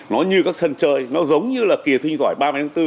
nó như các sân chơi nó giống như là kỳ thi học sinh giỏi ba bốn